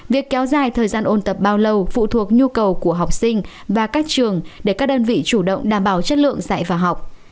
việc kéo dài thời gian ôn tập bao lâu phụ thuộc nhu cầu của học sinh và các trường để các đơn vị chủ động đảm bảo chất lượng dạy và học